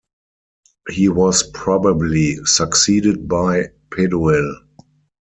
He was probably succeeded by Peduel.